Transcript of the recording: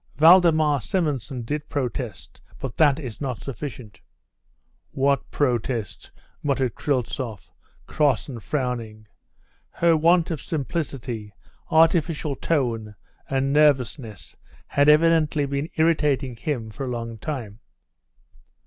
"Valdemar Simonson did protest, but that is not sufficient." "What protest!" muttered Kryltzoff, cross and frowning. Her want of simplicity, artificial tone and nervousness had evidently been irritating him for a long time.